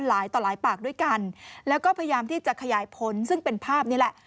หลายต่อหลายปากด้วยกันแล้วก็พยายามที่จะขยายผลซึ่งเป็นภาพนี้แหละ